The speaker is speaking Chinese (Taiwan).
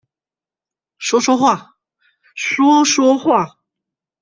說說話，說說話